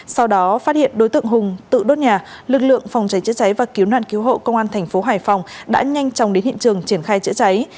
sau đó phát hiện đối tượng hùng tự đốt nhà lực lượng phòng cháy chữa cháy và cứu nạn cứu hộ công an thành phố hải phòng đã nhanh chóng đến hiện trường triển khai chữa cháy